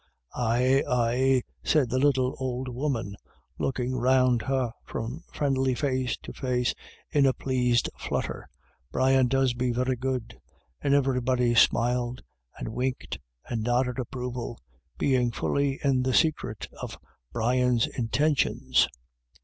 " Aye, aye," said the little old woman, looking round her from friendly face to face in a pleased flutter, " Brian does be very good." And every body smiled and winked and nodded approval, being fully in the secret of Brian's intentions.